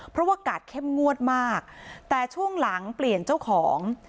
เพราะว่ากาดเข้มงวดมากแต่ช่วงหลังเปลี่ยนเจ้าของ